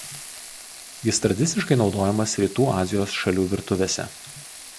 Jis tradiciškai naudojamas Rytų Azijos šalių virtuvėse.